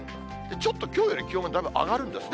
ちょっときょうより気温がだいぶ上がるんですね。